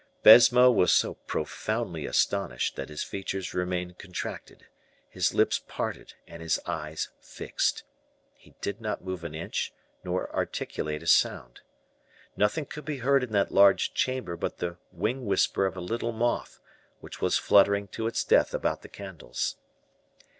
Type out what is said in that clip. Baisemeaux was so profoundly astonished, that his features remained contracted, his lips parted, and his eyes fixed. He did not move an inch, nor articulate a sound. Nothing could be heard in that large chamber but the wing whisper of a little moth, which was fluttering to its death about the candles.